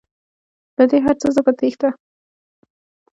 له دې هرڅه زه په تیښته